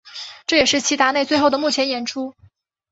这也是齐达内最后的幕前演出。